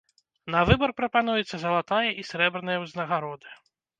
На выбар прапануецца залатая і срэбная ўзнагароды.